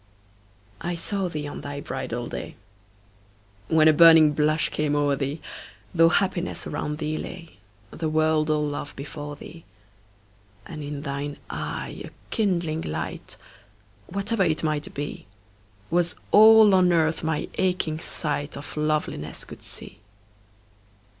I saw thee on thy bridal day When a burning blush came o'er thee, Though happiness around thee lay, The world all love before thee: And in thine eye a kindling light (Whatever it might be) Was all on Earth my aching sight Of Loveliness could see.